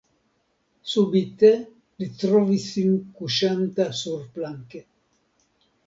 Subite li trovis sin kuŝanta surplanke.